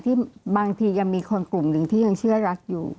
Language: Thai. บางทียังมีคนกลุ่มหนึ่งที่ยังเชื่อรักอยู่